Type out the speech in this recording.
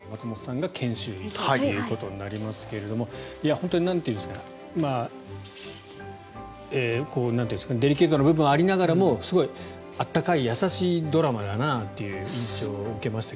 山崎さんはお医者さん松本さんが研修医ということになりますが本当にデリケートな部分がありながらもすごい、温かい、優しいドラマだなという印象を受けましたが。